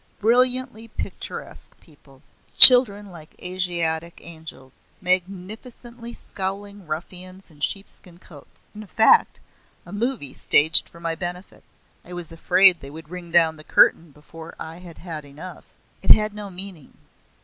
Brilliantly picturesque people. Children like Asiatic angels. Magnificently scowling ruffians in sheepskin coats. In fact, a movie staged for my benefit. I was afraid they would ring down the curtain before I had had enough. It had no meaning.